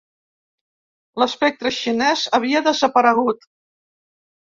L'espectre xinès havia desaparegut.